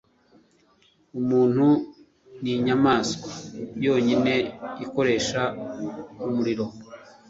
Umuntu ninyamaswa yonyine ikoresha umuriro